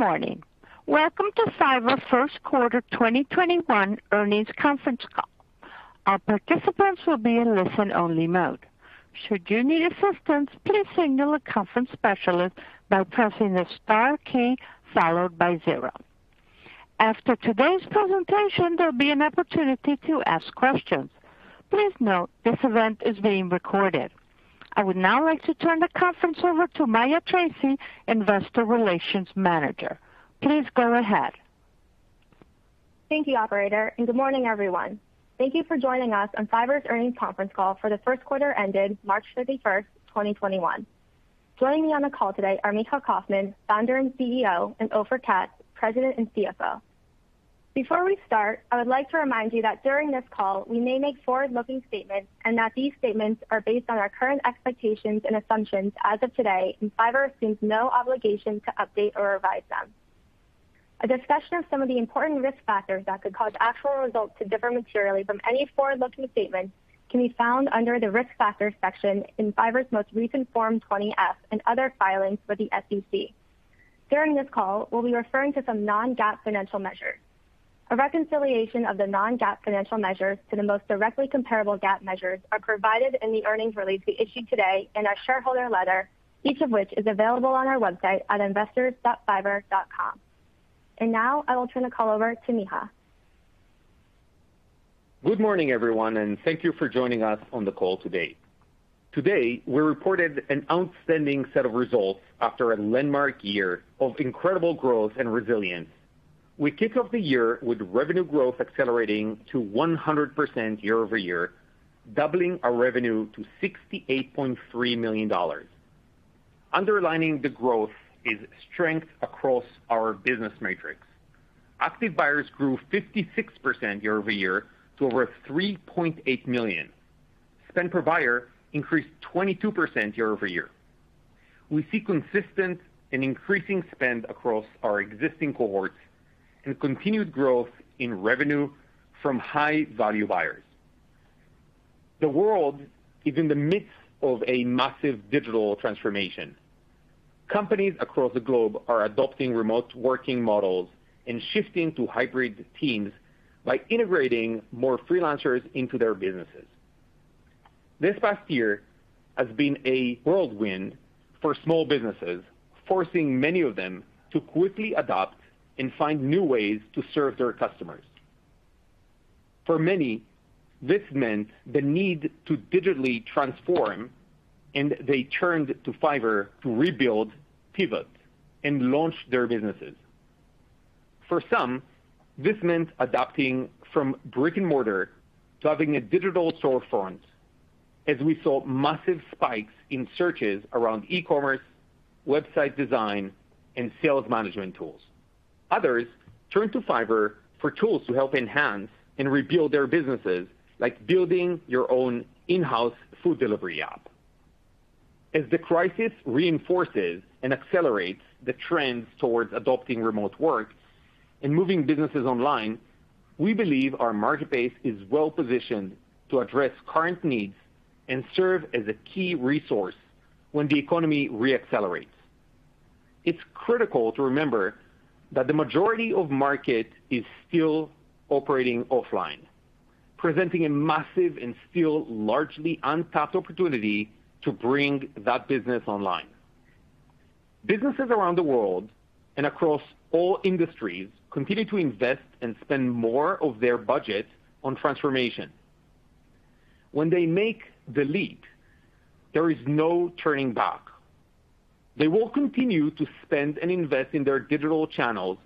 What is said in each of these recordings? Good morning. Welcome to Fiverr First Quarter 2021 Earnings Conference Call. Our participants will be in listen only mode. Should you need assistance, please signal a conference specialist by pressing the star key followed by zero. After today's presentation, there'll be an opportunity to ask questions. Please note this event is being recorded. I would now like to turn the conference over to Maya Tracey, Investor Relations Manager. Please go ahead. Thank you, operator, and good morning, everyone. Thank you for joining us on Fiverr's earnings conference call for the first quarter ended March 31, 2021. Joining me on the call today are Micha Kaufman, Founder and CEO, and Ofer Katz, President and CFO. Before we start, I would like to remind you that during this call, we may make forward-looking statements and that these statements are based on our current expectations and assumptions as of today, and Fiverr assumes no obligation to update or revise them. A discussion of some of the important risk factors that could cause actual results to differ materially from any forward-looking statements can be found under the Risk Factors section in Fiverr's most recent Form 20-F and other filings with the SEC. During this call, we'll be referring to some non-GAAP financial measures. A reconciliation of the non-GAAP financial measures to the most directly comparable GAAP measures are provided in the earnings release we issued today and our shareholder letter, each of which is available on our website at investors.fiverr.com. Now I will turn the call over to Micha. Good morning, everyone. Thank you for joining us on the call today. Today, we reported an outstanding set of results after a landmark year of incredible growth and resilience. We kick off the year with revenue growth accelerating to 100% year-over-year, doubling our revenue to $68.3 million. Underlining the growth is strength across our business matrix. Active buyers grew 56% year-over-year to over 3.8 million. Spend per buyer increased 22% year-over-year. We see consistent and increasing spend across our existing cohorts and continued growth in revenue from high-value buyers. The world is in the midst of a massive digital transformation. Companies across the globe are adopting remote working models and shifting to hybrid teams by integrating more freelancers into their businesses. This past year has been a whirlwind for small businesses, forcing many of them to quickly adapt and find new ways to serve their customers. For many, this meant the need to digitally transform, and they turned to Fiverr to rebuild, pivot, and launch their businesses. For some, this meant adapting from brick and mortar to having a digital storefront as we saw massive spikes in searches around e-commerce, website design, and sales management tools. Others turned to Fiverr for tools to help enhance and rebuild their businesses, like building your own in-house food delivery app. As the crisis reinforces and accelerates the trends towards adopting remote work and moving businesses online, we believe our marketplace is well-positioned to address current needs and serve as a key resource when the economy re-accelerates. It's critical to remember that the majority of market is still operating offline, presenting a massive and still largely untapped opportunity to bring that business online. Businesses around the world and across all industries continue to invest and spend more of their budget on transformation. When they make the leap, there is no turning back. They will continue to spend and invest in their digital channels,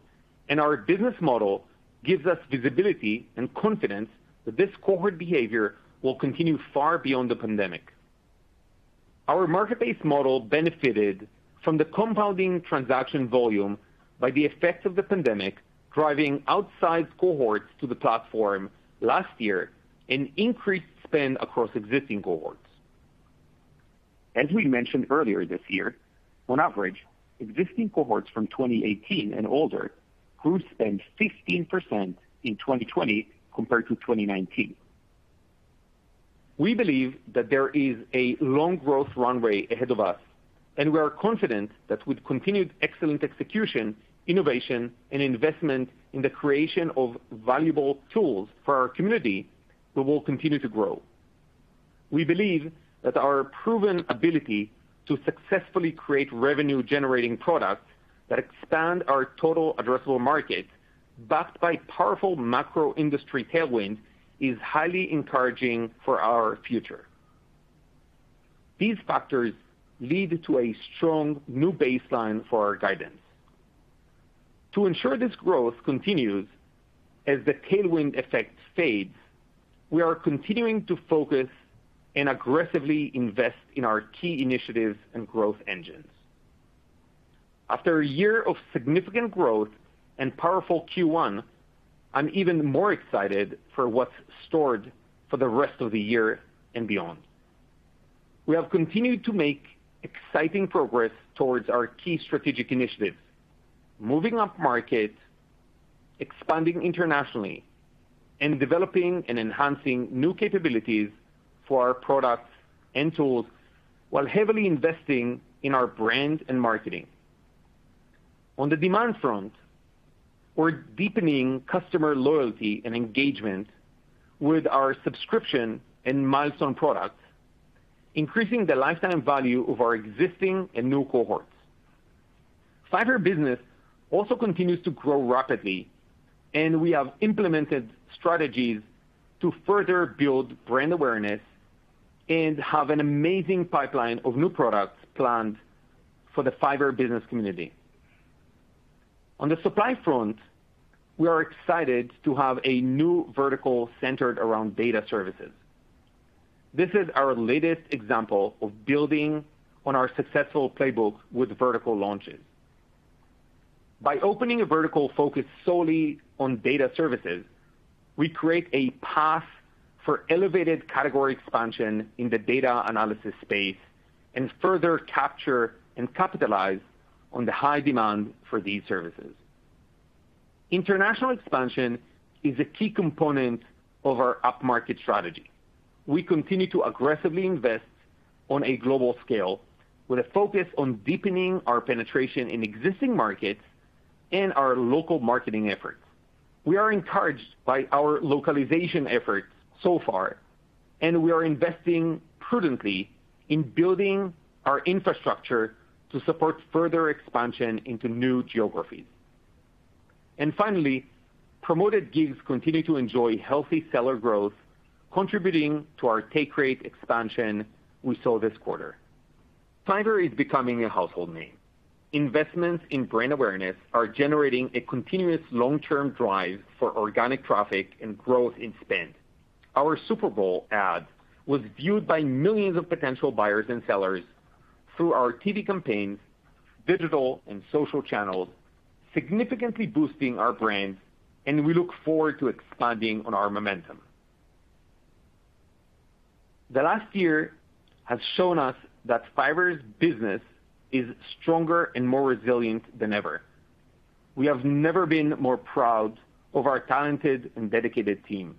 and our business model gives us visibility and confidence that this cohort behavior will continue far beyond the pandemic. Our marketplace model benefited from the compounding transaction volume by the effects of the pandemic driving outside cohorts to the platform last year and increased spend across existing cohorts. As we mentioned earlier this year, on average, existing cohorts from 2018 and older grew spend 15% in 2020 compared to 2019. We believe that there is a long growth runway ahead of us, and we are confident that with continued excellent execution, innovation, and investment in the creation of valuable tools for our community, we will continue to grow. We believe that our proven ability to successfully create revenue-generating products that expand our total addressable market, backed by powerful macro industry tailwind, is highly encouraging for our future. These factors lead to a strong new baseline for our guidance. To ensure this growth continues as the tailwind effect fades, we are continuing to focus and aggressively invest in our key initiatives and growth engines. After a year of significant growth and powerful Q1, I'm even more excited for what's stored for the rest of the year and beyond. We have continued to make exciting progress towards our key strategic initiatives, moving up market expanding internationally and developing and enhancing new capabilities for our products and tools, while heavily investing in our brand and marketing. On the demand front, we're deepening customer loyalty and engagement with our subscription and Milestones products, increasing the lifetime value of our existing and new cohorts. Fiverr Business also continues to grow rapidly. We have implemented strategies to further build brand awareness and have an amazing pipeline of new products planned for the Fiverr Business community. On the supply front, we are excited to have a new vertical centered around data services. This is our latest example of building on our successful playbook with vertical launches. By opening a vertical focused solely on data services, we create a path for elevated category expansion in the data analysis space and further capture and capitalize on the high demand for these services. International expansion is a key component of our upmarket strategy. We continue to aggressively invest on a global scale with a focus on deepening our penetration in existing markets and our local marketing efforts. We are encouraged by our localization efforts so far, and we are investing prudently in building our infrastructure to support further expansion into new geographies. Finally, Promoted Gigs continue to enjoy healthy seller growth, contributing to our take rate expansion we saw this quarter. Fiverr is becoming a household name. Investments in brand awareness are generating a continuous long-term drive for organic traffic and growth in spend. Our Super Bowl ad was viewed by millions of potential buyers and sellers through our TV campaigns, digital and social channels, significantly boosting our brand, and we look forward to expanding on our momentum. The last year has shown us that Fiverr's business is stronger and more resilient than ever. We have never been more proud of our talented and dedicated team.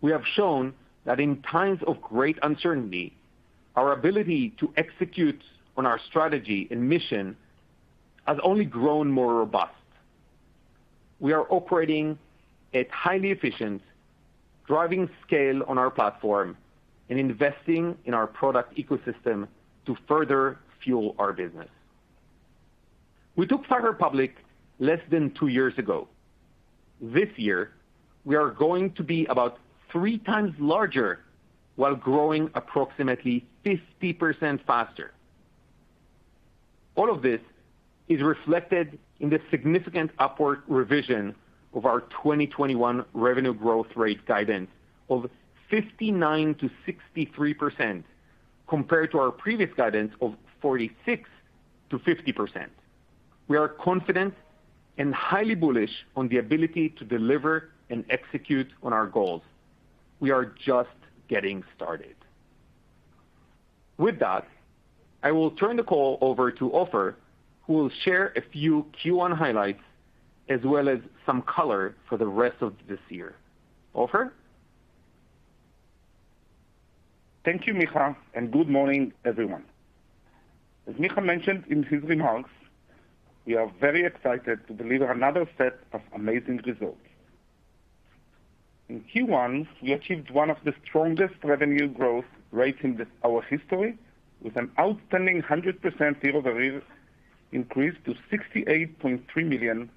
We have shown that in times of great uncertainty, our ability to execute on our strategy and mission has only grown more robust. We are operating at highly efficient, driving scale on our platform, and investing in our product ecosystem to further fuel our business. We took Fiverr public less than two years ago. This year, we are going to be about 3x larger while growing approximately 50% faster. All of this is reflected in the significant upward revision of our 2021 revenue growth rate guidance of 59%-63%, compared to our previous guidance of 46%-50%. We are confident and highly bullish on the ability to deliver and execute on our goals. We are just getting started. With that, I will turn the call over to Ofer, who will share a few Q1 highlights as well as some color for the rest of this year. Ofer? Thank you, Micha, good morning, everyone. As Micha mentioned in his remarks, we are very excited to deliver another set of amazing results. In Q1, we achieved one of the strongest revenue growth rates in our history with an outstanding 100% year-over-year increase to $68.3 million,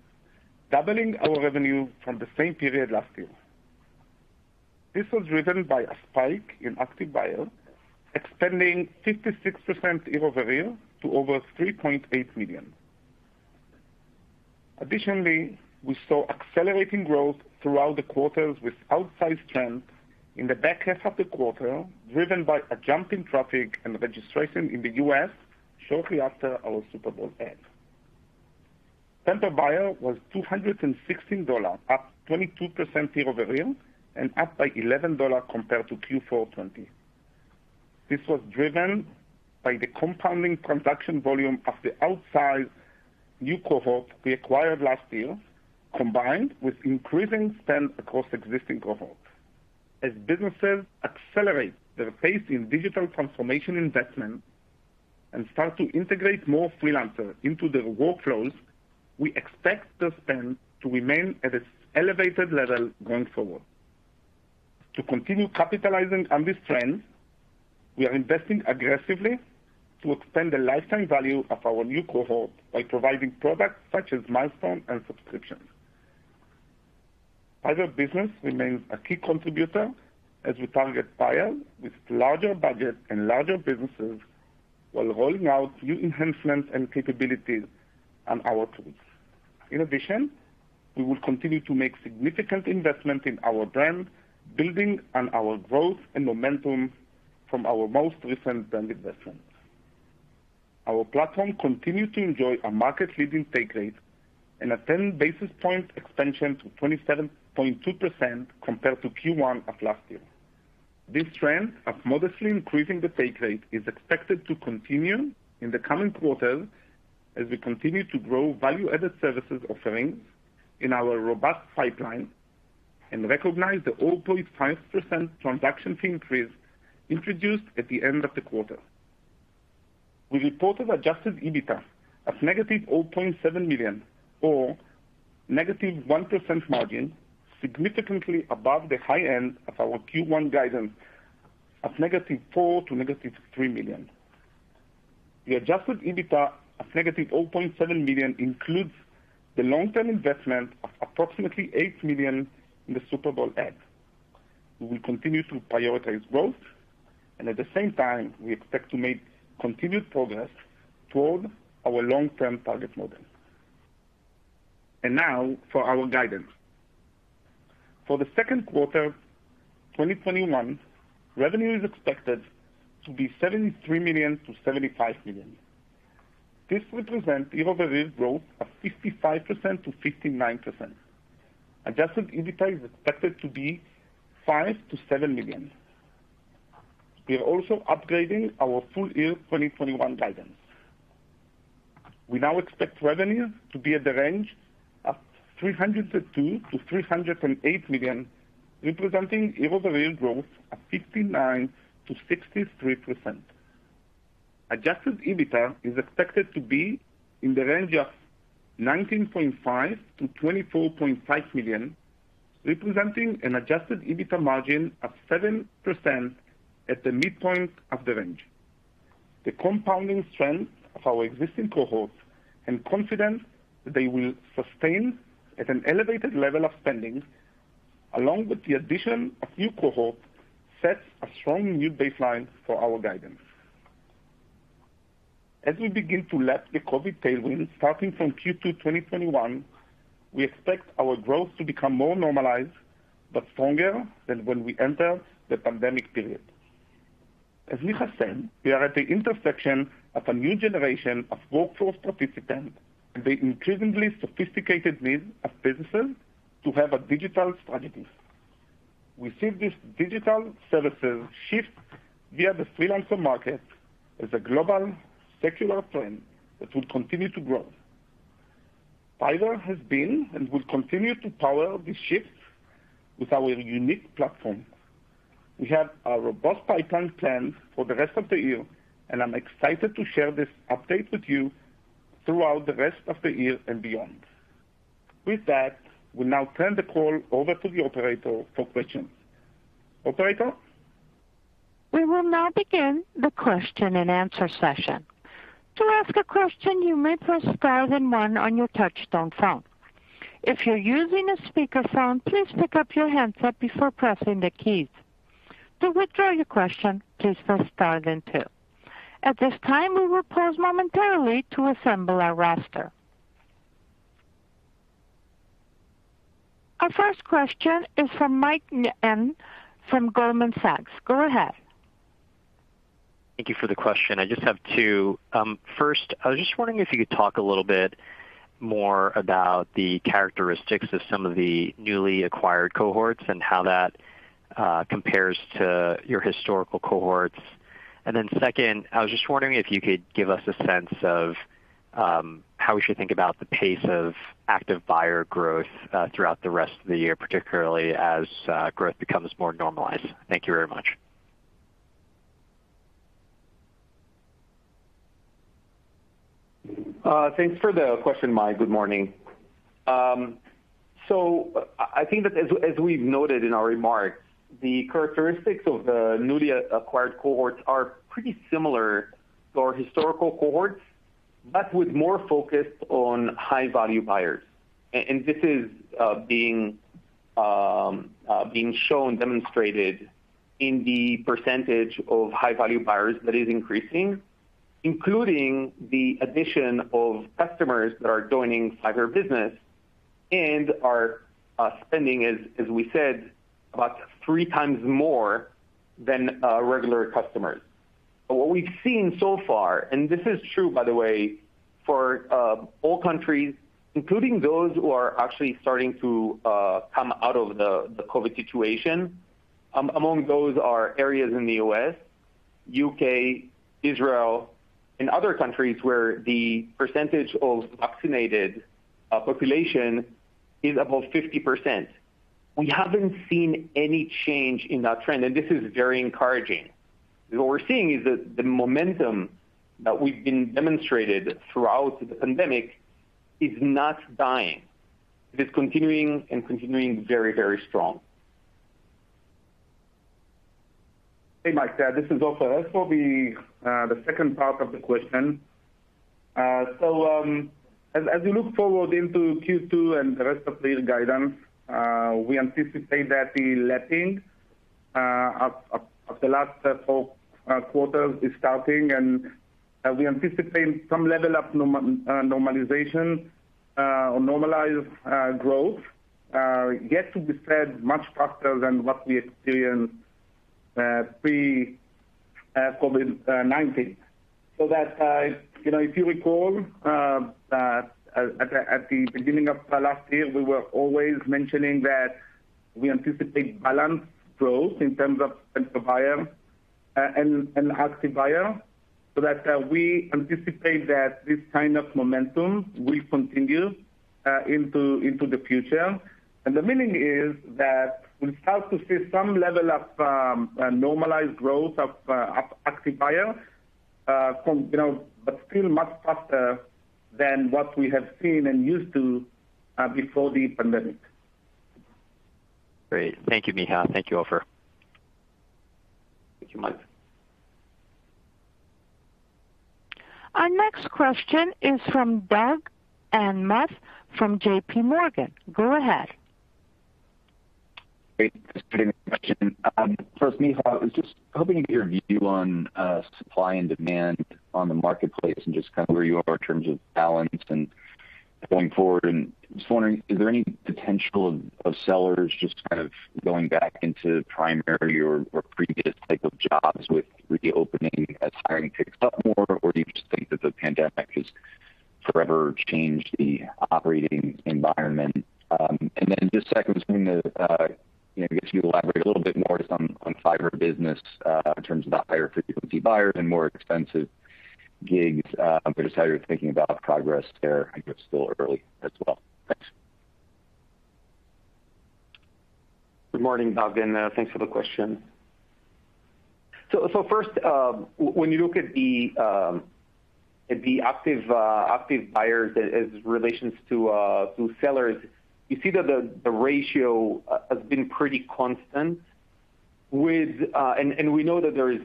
doubling our revenue from the same period last year. This was driven by a spike in active buyers, expanding 56% year-over-year to over 3.8 million. Additionally, we saw accelerating growth throughout the quarters with outsized strength in the back half of the quarter, driven by a jump in traffic and registration in the U.S. shortly after our Super Bowl ad. Spend per buyer was $216, up 22% year-over-year, and up by $11 compared to Q4 2020. This was driven by the compounding transaction volume of the outsized new cohort we acquired last year, combined with increasing spend across existing cohorts. As businesses accelerate their pace in digital transformation investment and start to integrate more freelancers into their workflows, we expect the spend to remain at its elevated level going forward. To continue capitalizing on this trend, we are investing aggressively to extend the lifetime value of our new cohort by providing products such as Milestones and subscription. Fiverr Business remains a key contributor as we target buyers with larger budgets and larger businesses while rolling out new enhancements and capabilities on our tools. In addition, we will continue to make significant investment in our brand, building on our growth and momentum from our most recent brand investments. Our platform continued to enjoy a market-leading take rate and a 10-basis-point expansion to 27.2% compared to Q1 of last year. This trend of modestly increasing the take rate is expected to continue in the coming quarters as we continue to grow value-added services offerings in our robust pipeline and recognize the 0.5% transaction fee increase introduced at the end of the quarter. We reported adjusted EBITDA of -$0.7 million, or -1% margin, significantly above the high end of our Q1 guidance of -$4 million to -$3 million. The adjusted EBITDA of negative $0.7 million includes the long-term investment of approximately $8 million in the Super Bowl ad. We will continue to prioritize growth, at the same time, we expect to make continued progress toward our long-term target model. Now for our guidance. For the second quarter 2021, revenue is expected to be $73 million-$75 million. This represents year-over-year growth of 55%-59%. adjusted EBITDA is expected to be $5 million-$7 million. We are also upgrading our full year 2021 guidance. We now expect revenue to be at the range of $302 million-$308 million, representing year-over-year growth of 59%-63%. adjusted EBITDA is expected to be in the range of $19.5 million-$24.5 million, representing an adjusted EBITDA margin of 7% at the midpoint of the range. The compounding strength of our existing cohorts and confidence that they will sustain at an elevated level of spending, along with the addition of new cohorts, sets a strong new baseline for our guidance. As we begin to lap the COVID tailwind starting from Q2 2021, we expect our growth to become more normalized, but stronger than when we entered the pandemic period. As Micha said, we are at the intersection of a new generation of workforce participants and the increasingly sophisticated needs of businesses to have digital strategies. We see these digital services shift via the freelancer market as a global secular trend that will continue to grow. Fiverr has been and will continue to power these shifts with our unique platform. We have a robust pipeline planned for the rest of the year, and I'm excited to share this update with you throughout the rest of the year and beyond. With that, we'll now turn the call over to the operator for questions. Operator? We will now begin the question-and answer-session. To ask a question, you may press star then one on your touchtone phone. If you're using a speakerphone, please pick up your handset before pressing the keys. To withdraw your question, please press star then two. At this time, we will pause momentarily to assemble our roster. Our first question is from Mike Ng from Goldman Sachs. Go ahead. Thank you for the question. I just have two. First, I was just wondering if you could talk a little bit more about the characteristics of some of the newly acquired cohorts and how that compares to your historical cohorts. Second, I was just wondering if you could give us a sense of how we should think about the pace of active buyer growth throughout the rest of the year, particularly as growth becomes more normalized. Thank you very much. Thanks for the question, Mike. Good morning. I think that as we've noted in our remarks, the characteristics of the newly acquired cohorts are pretty similar to our historical cohorts, but with more focus on high-value buyers. This is being shown, demonstrated in the percentage of high-value buyers that is increasing, including the addition of customers that are joining Fiverr Business and are spending, as we said, about three times more than regular customers. What we've seen so far, and this is true, by the way, for all countries, including those who are actually starting to come out of the COVID situation. Among those are areas in the U.S., U.K., Israel, and other countries where the percentage of vaccinated population is above 50%. We haven't seen any change in that trend. This is very encouraging because what we're seeing is that the momentum that we've been demonstrated throughout the pandemic is not dying. It is continuing very strong. Hey, Mike. This is Ofer. As for the second part of the question. As we look forward into Q2 and the rest of the year guidance, we anticipate that the lapping of the last four quarters is starting, and we anticipate some level of normalization or normalized growth. Yet to be said, much faster than what we experienced pre COVID-19. If you recall, at the beginning of last year, we were always mentioning that we anticipate balanced growth in terms of potential buyer and active buyer, so that we anticipate that this kind of momentum will continue into the future. The meaning is that we start to see some level of normalized growth of active buyer. Still much faster than what we have seen and used to before the pandemic. Great. Thank you, Micha. Thank you, Ofer. Thank you, Mike. Our next question is from Doug Anmuth from J.P. Morgan. Go ahead. Great. Thanks for taking the question. First, Micha, I was just hoping to get your view on supply and demand on the marketplace and just kind of where you are in terms of balance and going forward. Just wondering, is there any potential of sellers just kind of going back into primary or previous type of jobs with reopening as hiring picks up more? Do you just think that the pandemic has forever changed the operating environment? Just second was wanting to get you to elaborate a little bit more just on Fiverr Business in terms of the higher frequency buyers and more expensive gigs. Just how you're thinking about progress there. I know it's still early as well. Thanks. Good morning, Doug and thanks for the question. First, when you look at the active buyers as relations to sellers, you see that the ratio has been pretty constant. We know that there is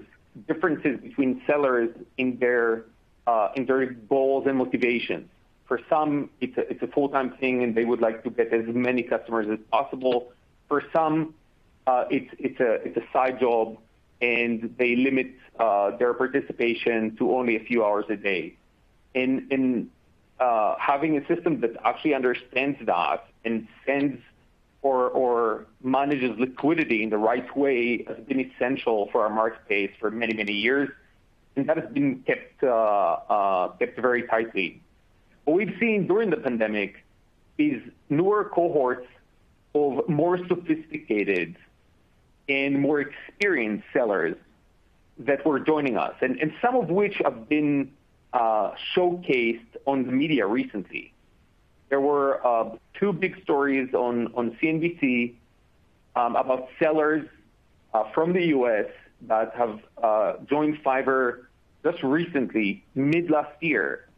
differences between sellers in their goals and motivations. For some, it's a full-time thing, and they would like to get as many customers as possible. For some, it's a side job, and they limit their participation to only a few hours a day. Having a system that actually understands that and sends or manages liquidity in the right way has been essential for our marketplace for many, many years, and that has been kept very tightly. What we've seen during the pandemic is newer cohorts of more sophisticated and more experienced sellers that were joining us, and some of which have been showcased on the media recently. There were two big stories on CNBC about sellers from the U.S. that have joined Fiverr just recently, mid last year,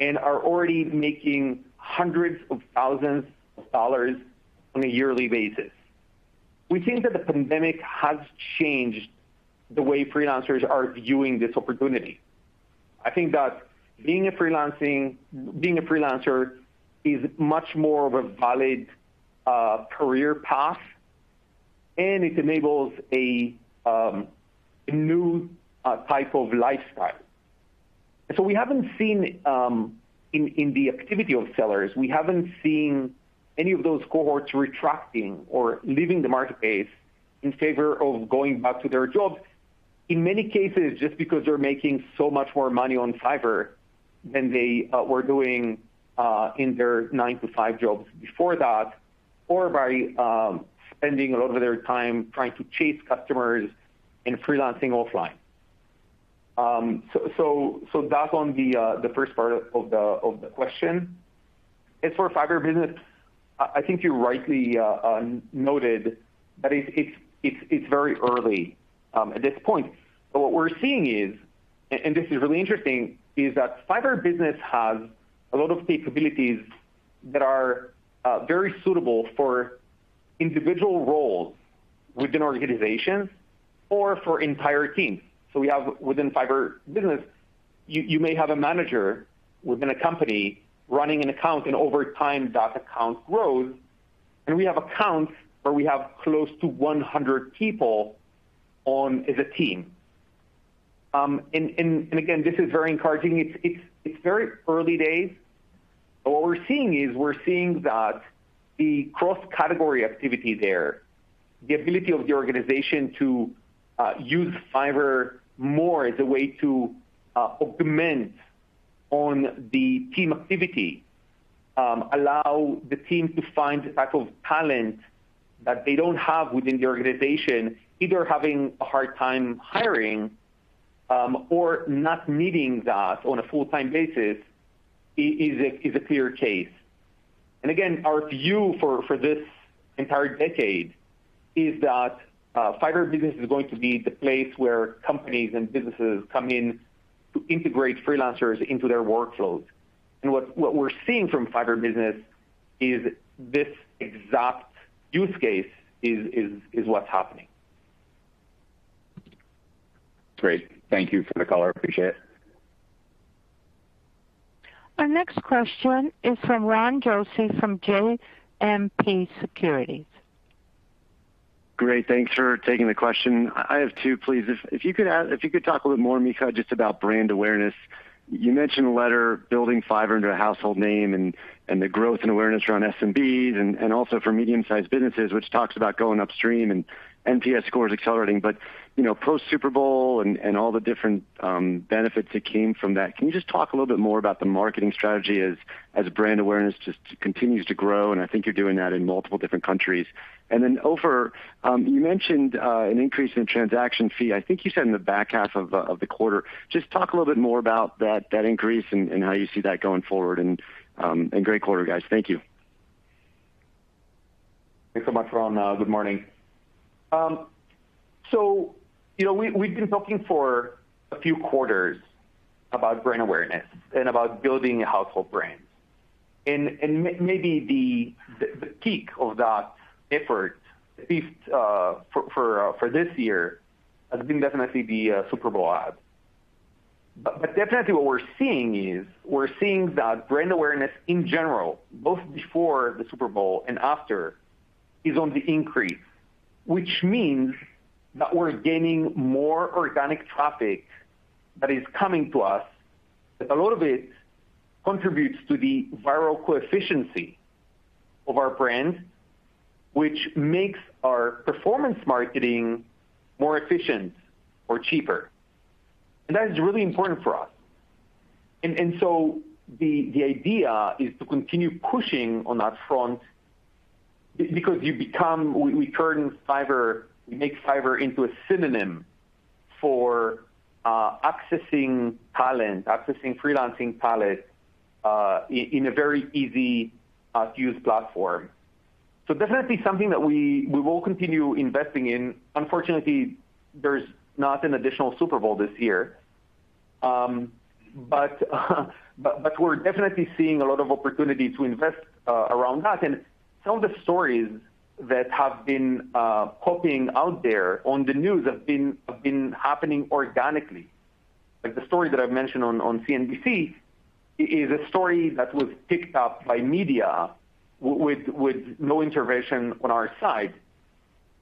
and are already making hundreds of thousands of dollars on a yearly basis. We think that the pandemic has changed the way freelancers are viewing this opportunity. I think that being a freelancer is much more of a valid career path, and it enables a new type of lifestyle. We haven't seen, in the activity of sellers, we haven't seen any of those cohorts retracting or leaving the marketplace in favor of going back to their jobs. In many cases, just because they're making so much more money on Fiverr than they were doing in their nine to five jobs before that, or by spending a lot of their time trying to chase customers and freelancing offline. That's on the first part of the question. Fiverr Business, I think you rightly noted that it's very early at this point. What we're seeing is, and this is really interesting, is that Fiverr Business has a lot of capabilities that are very suitable for individual roles within organizations or for entire teams. We have within Fiverr Business, you may have a manager within a company running an account, and over time, that account grows, and we have accounts where we have close to 100 people on as a team. Again, this is very encouraging. It's very early days. What we're seeing is we're seeing that the cross-category activity there, the ability of the organization to use Fiverr more as a way to augment on the team activity, allow the team to find the type of talent that they don't have within the organization, either having a hard time hiring or not needing that on a full-time basis, is a clear case. Again, our view for this entire decade is that Fiverr Business is going to be the place where companies and businesses come in to integrate freelancers into their workflows. What we're seeing from Fiverr Business is this exact use case is what's happening. Great. Thank you for the color. Appreciate it. Our next question is from Ron Josey from JMP Securities. Great. Thanks for taking the question. I have two, please. If you could talk a little more, Micha, just about brand awareness. You mentioned in the letter building Fiverr into a household name and the growth and awareness around SMBs and also for medium-sized businesses, which talks about going upstream and NPS scores accelerating. Post Super Bowl and all the different benefits that came from that, can you just talk a little bit more about the marketing strategy as brand awareness just continues to grow? I think you're doing that in multiple different countries. Ofer, you mentioned an increase in transaction fee, I think you said in the back half of the quarter. Just talk a little bit more about that increase and how you see that going forward. Great quarter, guys. Thank you. Thanks so much, Ron. Good morning. We've been talking for a few quarters about brand awareness and about building a household brand. Maybe the peak of that effort, at least for this year, has been definitely the Super Bowl ad. Definitely what we're seeing is, we're seeing that brand awareness in general, both before the Super Bowl and after, is on the increase, which means that we're gaining more organic traffic that is coming to us, that a lot of it contributes to the viral coefficiency of our brand, which makes our performance marketing more efficient or cheaper. That is really important for us. The idea is to continue pushing on that front because we make Fiverr into a synonym for accessing talent, accessing freelancing talent, in a very easy to use platform. Definitely something that we will continue investing in. Unfortunately, there's not an additional Super Bowl this year. We're definitely seeing a lot of opportunity to invest around that. Some of the stories that have been popping out there on the news have been happening organically. Like the story that I've mentioned on CNBC is a story that was picked up by media with no intervention on our side.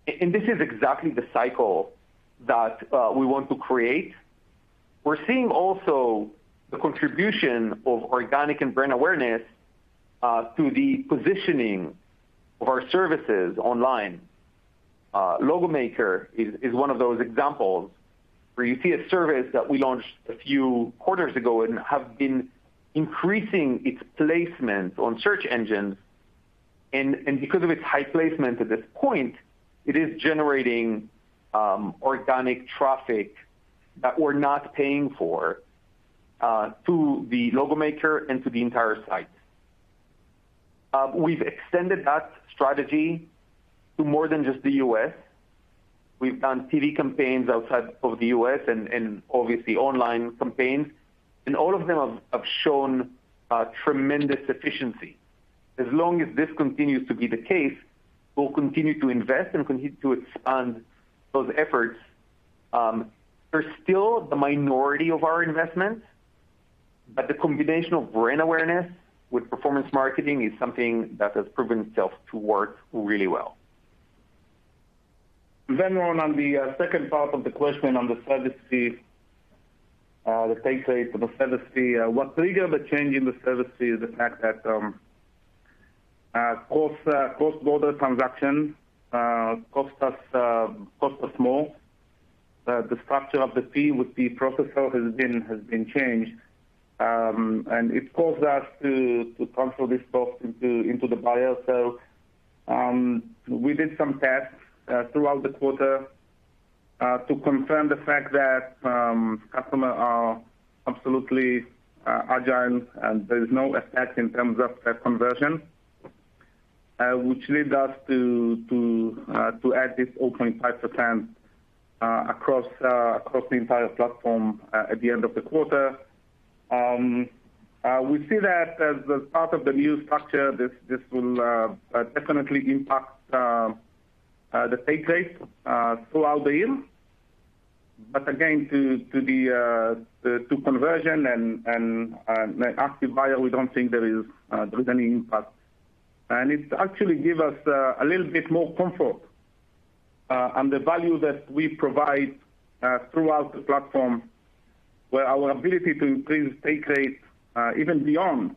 This is exactly the cycle that we want to create. We're seeing also the contribution of organic and brand awareness to the positioning of our services online. Logo Maker is one of those examples where you see a service that we launched a few quarters ago and have been increasing its placement on search engines. Because of its high placement at this point, it is generating organic traffic that we're not paying for, to the Logo Maker and to the entire site. We've extended that strategy to more than just the U.S. We've done TV campaigns outside of the U.S. and obviously online campaigns, all of them have shown tremendous efficiency. As long as this continues to be the case, we'll continue to invest and continue to expand those efforts. They're still the minority of our investments, the combination of brand awareness with performance marketing is something that has proven itself to work really well. Ron, on the second part of the question on the service fee, the take rate of the service fee. What triggered the change in the service fee is the fact that cross-border transaction cost us more. The structure of the fee with the processor has been changed, and it caused us to transfer this cost into the buyer. We did some tests throughout the quarter, to confirm the fact that customers are absolutely agile and there is no effect in terms of conversion, which leads us to add this 0.5% across the entire platform at the end of the quarter. We see that as a part of the new structure, this will definitely impact the take rate throughout the year. Again, to conversion and active buyer, we don't think there is any impact. It actually give us a little bit more comfort on the value that we provide throughout the platform, where our ability to increase take rate even beyond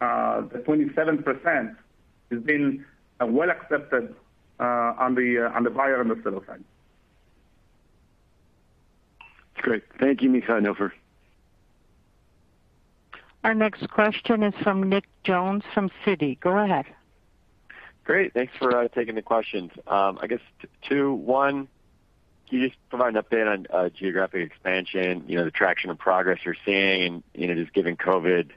the 27% has been well accepted on the buyer and the seller side. Great. Thank you, Micha and Ofer. Our next question is from Nick Jones from Citi. Go ahead. Great. Thanks for taking the questions. I guess two. One, can you just provide an update on geographic expansion, the traction and progress you're seeing, just given COVID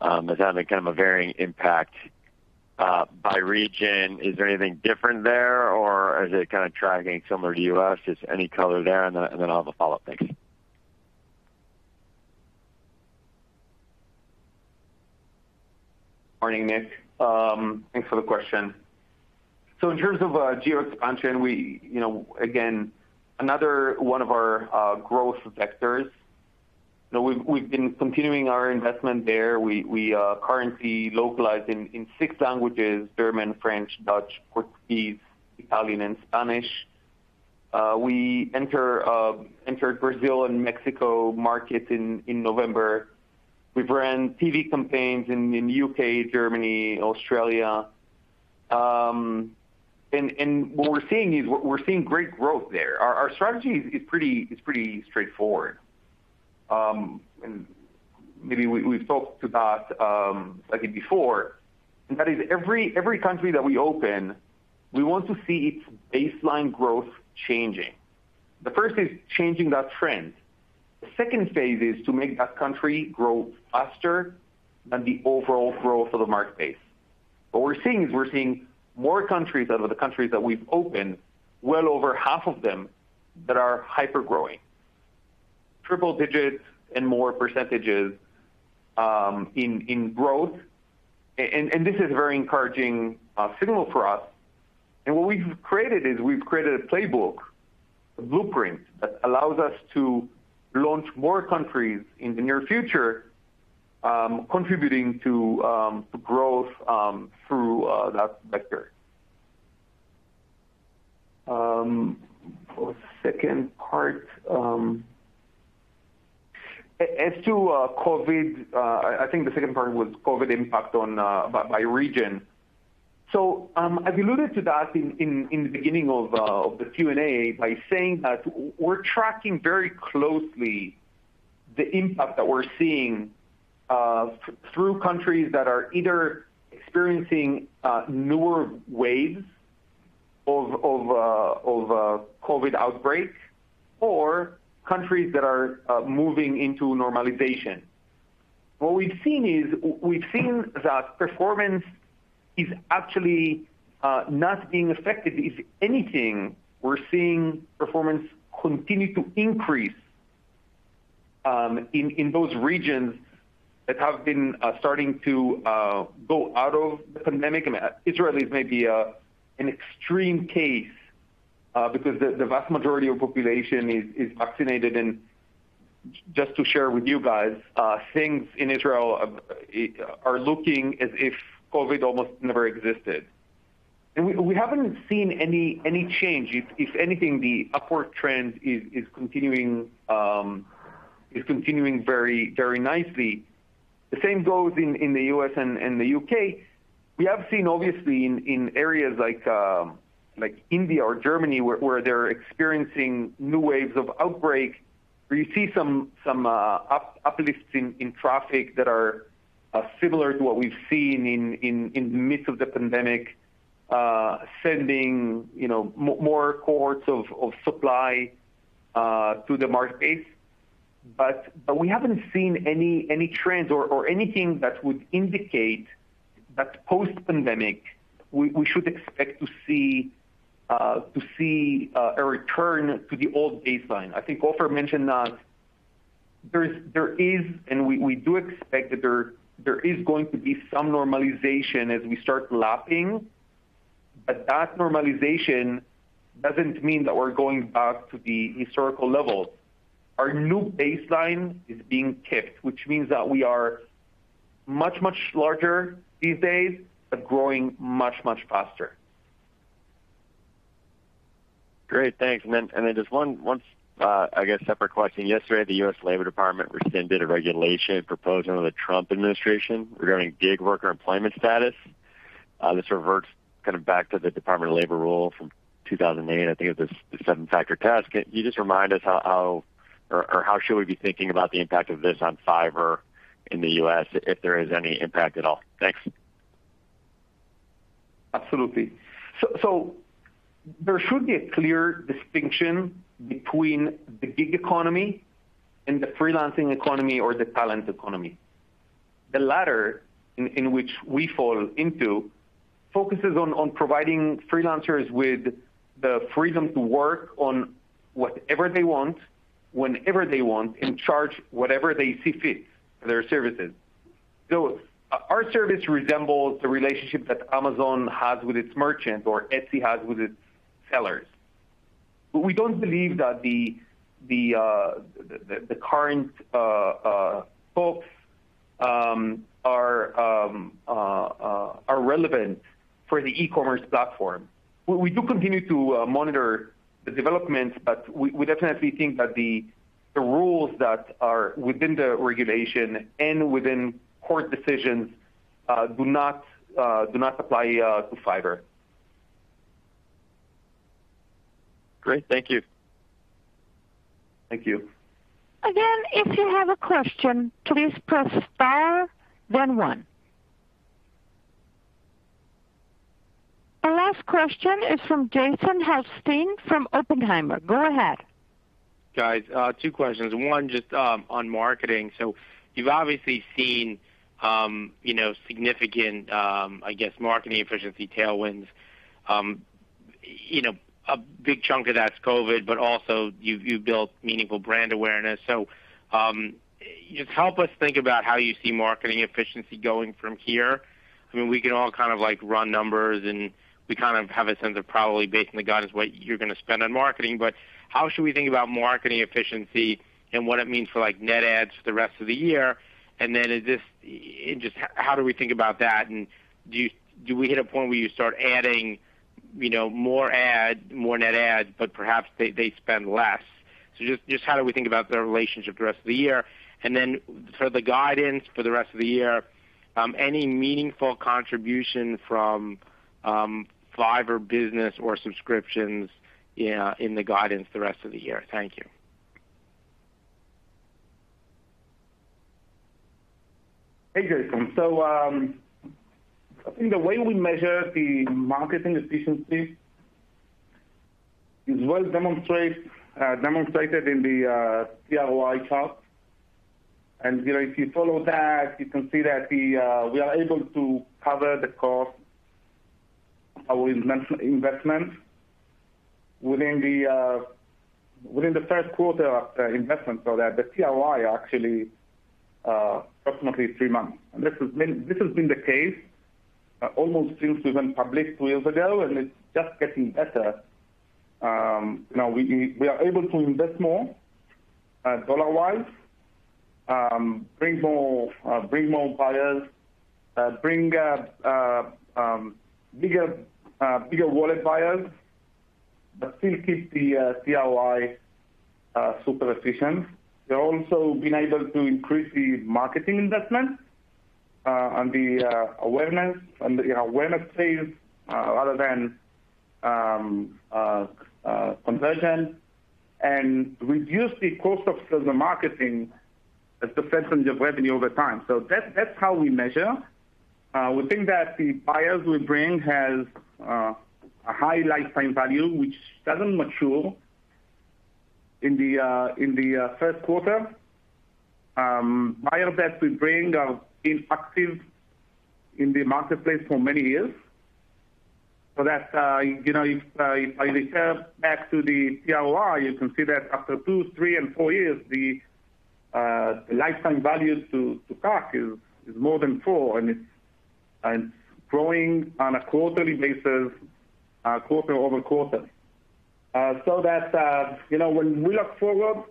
has had a varying impact by region. Is there anything different there or is it tracking similar to U.S.? Just any color there. I'll have a follow-up. Thanks. Morning, Nick. Thanks for the question. In terms of geo expansion, again, another one of our growth vectors. We've been continuing our investment there. We are currently localized in six languages, German, French, Dutch, Portuguese, Italian, and Spanish. We entered Brazil and Mexico markets in November. We've ran TV campaigns in U.K., Germany, Australia. What we're seeing is we're seeing great growth there. Our strategy is pretty straightforward. Maybe we've talked to that, I think before, and that is every country that we open, we want to see its baseline growth changing. The first is changing that trend. The second phase is to make that country grow faster than the overall growth of the marketplace. What we're seeing is we're seeing more countries out of the countries that we've opened, well over half of them, that are hyper-growing. Triple digits and more percentages in growth. This is a very encouraging signal for us. What we've created is we've created a playbook, a blueprint that allows us to launch more countries in the near future, contributing to growth through that vector. For the second part, as to COVID, I think the second part was COVID impact by region. I've alluded to that in the beginning of the Q&A by saying that we're tracking very closely the impact that we're seeing through countries that are either experiencing newer waves of COVID outbreaks or countries that are moving into normalization. What we've seen is we've seen that performance is actually not being affected. If anything, we're seeing performance continue to increase in those regions that have been starting to go out of the pandemic. I mean, Israel is maybe an extreme case, because the vast majority of population is vaccinated and just to share with you guys, things in Israel are looking as if COVID almost never existed. We haven't seen any change. If anything, the upward trend is continuing very nicely. The same goes in the U.S. and the U.K. We have seen, obviously, in areas like India or Germany where they're experiencing new waves of outbreaks, where you see some uplifts in traffic that are similar to what we've seen in the midst of the pandemic, sending more cohorts of supply to the marketplace. We haven't seen any trends or anything that would indicate that post-pandemic, we should expect to see a return to the old baseline. I think Ofer mentioned that there is, and we do expect that there is going to be some normalization as we start lapping, but that normalization doesn't mean that we're going back to the historical levels. Our new baseline is being kicked, which means that we are much, much larger these days, but growing much, much faster. Great. Thanks. Then just one, I guess separate question. Yesterday, the U.S. Department of Labor rescinded a regulation proposed under the Trump administration regarding gig worker employment status. This reverts back to the Department of Labor rule from 2008, I think it's the seven-factor test. Can you just remind us how should we be thinking about the impact of this on Fiverr in the U.S., if there is any impact at all? Thanks. Absolutely. There should be a clear distinction between the gig economy and the freelancing economy or the talent economy. The latter, in which we fall into, focuses on providing freelancers with the freedom to work on whatever they want, whenever they want and charge whatever they see fit for their services. Our service resembles the relationship that Amazon has with its merchants or Etsy has with its sellers. We don't believe that the current folks are relevant for the e-commerce platform. We do continue to monitor the developments, but we definitely think that the rules that are within the regulation and within court decisions do not apply to Fiverr. Great. Thank you. Thank you. Again, if you have a question, please press star then one. Our last question is from Jason Helfstein from Oppenheimer. Go ahead. Guys, two questions. One, just on marketing. You've obviously seen significant, I guess, marketing efficiency tailwinds. A big chunk of that's COVID, but also you've built meaningful brand awareness. Just help us think about how you see marketing efficiency going from here. I mean, we can all run numbers and we have a sense of probably basically got is what you're going to spend on marketing. How should we think about marketing efficiency and what it means for net adds for the rest of the year? How do we think about that, and do we hit a point where you start adding more net adds, but perhaps they spend less? Just how do we think about the relationship the rest of the year? For the guidance for the rest of the year, any meaningful contribution from Fiverr Business or subscriptions in the guidance the rest of the year? Thank you. Hey, Jason. I think the way we measure the marketing efficiency is well demonstrated in the ROI chart. If you follow that, you can see that we are able to cover the cost of our investment within the first quarter after investment, so that the ROI actually approximately three months. This has been the case almost since we went public two years ago, and it's just getting better. We are able to invest more dollar-wise, bring more buyers, bring bigger wallet buyers, but still keep the ROI super efficient. We've also been able to increase the marketing investment on the awareness phase rather than conversion, and reduce the cost of customer marketing as a percent of revenue over time. That's how we measure. We think that the buyers we bring has a high lifetime value, which doesn't mature in the first quarter. Buyers that we bring have been active in the marketplace for many years, so that if I refer back to the ROI, you can see that after two, three, and four years, the lifetime value to CAC is more than four, and it's growing on a quarterly basis quarter-over-quarter. When we look forward,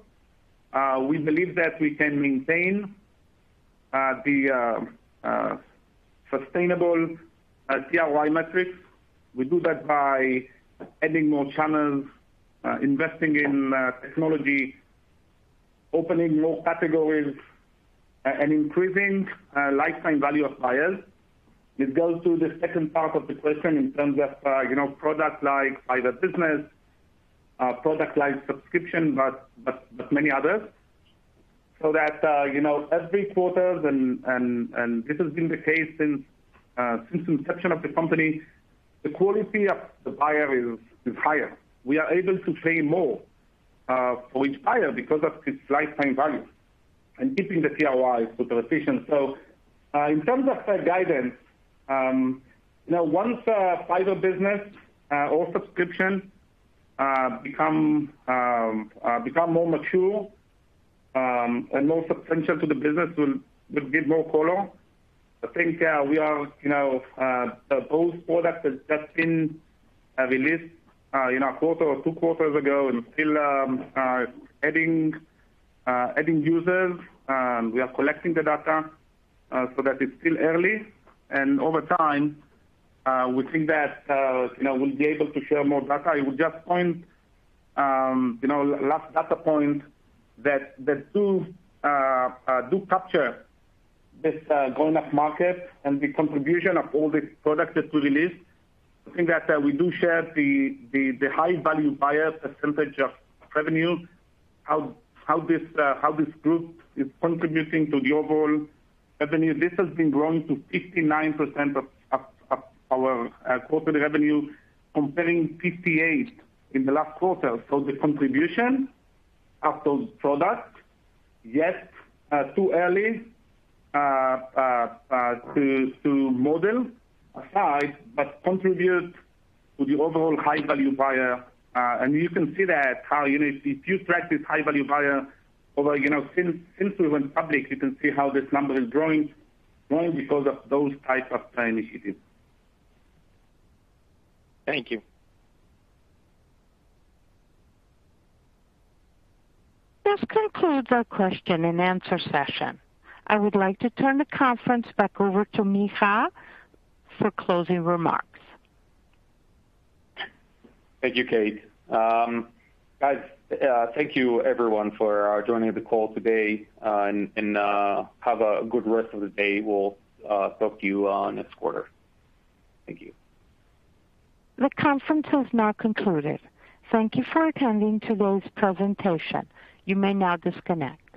we believe that we can maintain the sustainable ROI metrics. We do that by adding more channels, investing in technology, opening more categories, and increasing lifetime value of buyers, which goes to the second part of the question in terms of products like Fiverr Business, product like subscription, but many others. Every quarter, and this has been the case since inception of the company, the quality of the buyer is higher. We are able to pay more for each buyer because of its lifetime value and keeping the ROI super efficient. In terms of the guidance, once Fiverr Business or subscription become more mature and more substantial to the business will give more color. Both products have just been released a quarter or two quarters ago and still are adding users. We are collecting the data, that is still early. Over time, we think that we'll be able to share more data. I would just point, last data point that do capture this growing upmarket and the contribution of all the products that we released. We do share the high-value buyer percentage of revenue, how this group is contributing to the overall revenue. This has been growing to 59% of our quarterly revenue, comparing 58% in the last quarter. The contribution of those products, yes, too early to model aside, but contribute to the overall high-value buyer. You can see that how if you track this high-value buyer over since we went public, you can see how this number is growing because of those types of initiatives. Thank you. This concludes our question-and-answer session. I would like to turn the conference back over to Micha for closing remarks. Thank you, Kate. Guys, thank you everyone for joining the call today, and have a good rest of the day. We'll talk to you next quarter. Thank you. The conference has now concluded. Thank you for attending today's presentation. You may now disconnect.